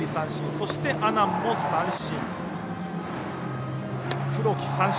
そして、阿南も三振。